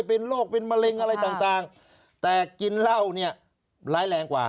เป็นโรคเป็นมะเร็งอะไรต่างแต่กินเหล้าเนี่ยร้ายแรงกว่า